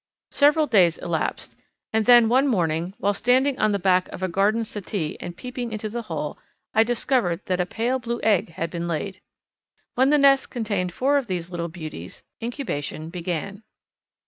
Several days elapsed and then one morning, while standing on the back of a garden settee and peeping into the hole, I discovered that a pale blue egg had been laid. When the nest contained four of these little beauties incubation began.